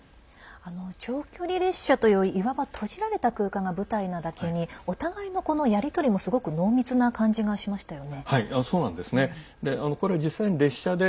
長距離列車という、いわば閉じられた空間が舞台なだけにお互いの、このやり取りも濃密な感じがしましたよね。